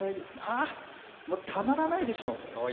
もう、たまらないでしょう。